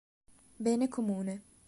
Bene Comune.